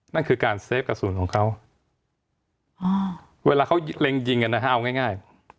นั่นคือการเซฟกระสุนของเขาเวลาเขาเล็งยิงกันนะฮะเอาง่าย